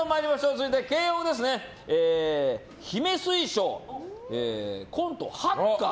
続いて慶應、姫水晶コント、ハッカー。